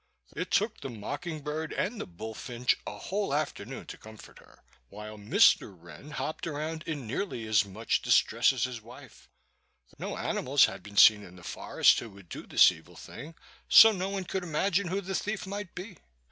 It took the mocking bird and the bullfinch a whole afternoon to comfort her, while Mr. Wren hopped around in nearly as much distress as his wife. No animals had been seen in the forest who would do this evil thing, so no one could imagine who the thief might be.